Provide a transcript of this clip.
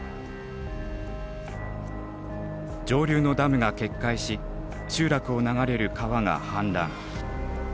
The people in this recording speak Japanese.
上流のダムが決壊し集落を流れる川が氾濫。